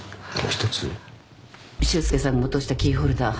修介さんが落としたキーホルダー。